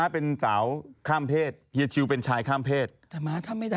เป็นแอ้งจี้โพรดีปั๊ช